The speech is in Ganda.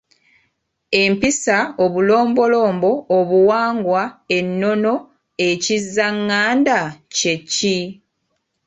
Empisa, obulombolombo, obuwangwa, ennono, ekizzaŋŋanda kye ki?